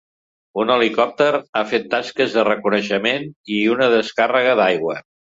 Un helicòpter ha fet tasques de reconeixement i una descàrrega d’aigua.